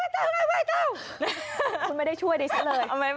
คุณไม่ได้ช่วยดิสักเลย